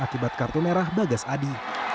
akibat kartu merah bagas adi